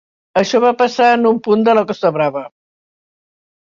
Això va passar en un punt de la Costa Brava.